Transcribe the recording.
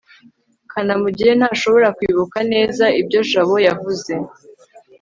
kanamugire ntashobora kwibuka neza ibyo jabo yavuze